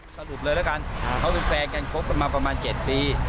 สรุปเลยแล้วกันเขาเป็นแฟนกันคบกันมาประมาณ๗ปี